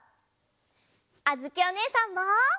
あづきおねえさんも！